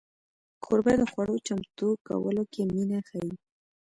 کوربه د خوړو چمتو کولو کې مینه ښيي.